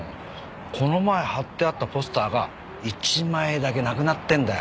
この前貼ってあったポスターが１枚だけなくなってるんだよ。